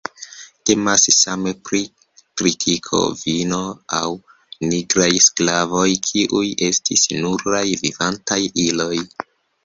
Temas same pri tritiko, vino, aŭ nigraj sklavoj, kiuj estis nuraj "vivantaj iloj".